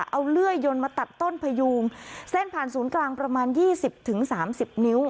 เอาเลื่อยยนต์มาตัดต้นพยูงเส้นผ่านศูนย์กลางประมาณยี่สิบถึงสามสิบนิ้ว